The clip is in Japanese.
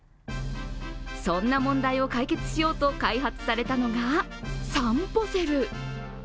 そんな問題を解決しようと開発されたのが、さんぽセル。